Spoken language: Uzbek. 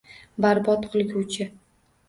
Barbod qilguvchi.